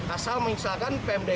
asal menyesalkan perangkat